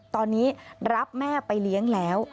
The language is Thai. ตอนนี้รับแม่ไปเลี้ยงแล้ว